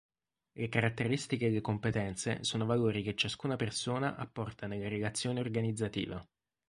Le caratteristiche e le competenze sono valori che ciascuna persona apporta nella relazione organizzativa.